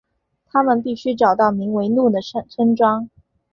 他们必须找到名为怒的村庄。